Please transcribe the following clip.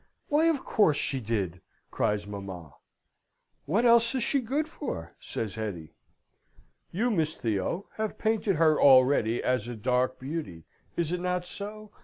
"Why, of course she did!" cries mamma. "What else is she good for?" says Hetty. "You, Miss Theo, have painted her already as a dark beauty is it not so?